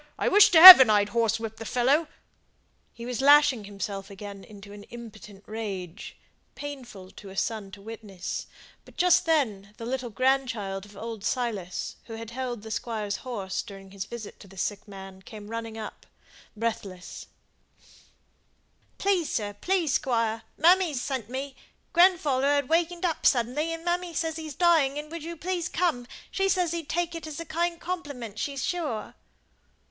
I wish to heaven I'd horsewhipped the fellow!" He was lashing himself again into an impotent rage, painful to a son to witness; but just then the little grandchild of old Silas, who had held the Squire's horse during his visit to the sick man, came running up, breathless: "Please, sir, please, squire, mammy has sent me; grandfather has wakened up sudden, and mammy says he's dying, and would you please come; she says he'd take it as a kind compliment, she's sure."